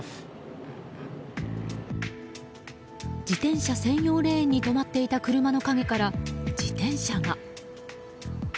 自転車専用レーンに止まっていた車の陰から自転車が。